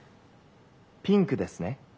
「ピンクですね。